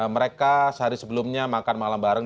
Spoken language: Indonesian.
mereka sehari sebelumnya makan malam bareng